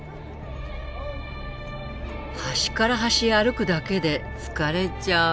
端から端へ歩くだけで疲れちゃう。